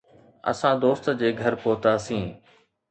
اسان دوست جي گهر پهتاسين.